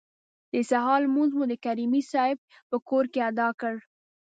د سهار لمونځ مو د کریمي صیب په کور کې ادا کړ.